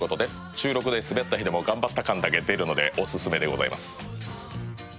収録で滑った日でも頑張った感だけ出るのでおすすめでございます。